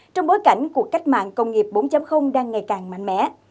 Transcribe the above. trong bối cảnh cuộc cách mạng công nghiệp bốn đang ngày càng mạnh mẽ